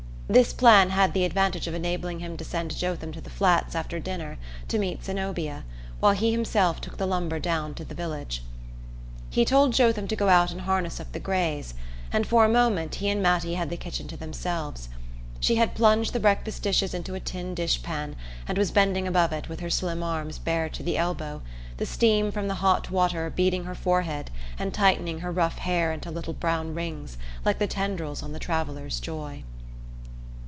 This plan had the advantage of enabling him to send Jotham to the Flats after dinner to meet Zenobia, while he himself took the lumber down to the village. He told Jotham to go out and harness up the greys, and for a moment he and Mattie had the kitchen to themselves. She had plunged the breakfast dishes into a tin dish pan and was bending above it with her slim arms bared to the elbow, the steam from the hot water beading her forehead and tightening her rough hair into little brown rings like the tendrils on the traveller's joy.